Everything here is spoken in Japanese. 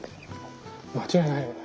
間違いないよね。